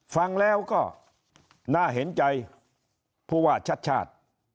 ฟังแล้วก็น่าเห็นใจผู้ว่าชัดชาติ